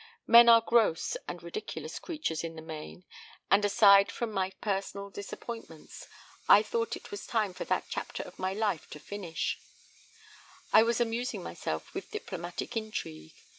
Men are gross and ridiculous creatures in the main, and aside from my personal disappointments, I thought it was time for that chapter of my life to finish; I was amusing myself with diplomatic intrigue.